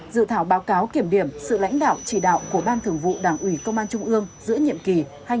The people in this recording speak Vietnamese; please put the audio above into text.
dự thảo báo cáo kiểm điểm sự lãnh đạo chỉ đạo của ban thường vụ đảng ủy công an trung ương giữa nhiệm kỳ hai nghìn hai mươi hai nghìn hai mươi năm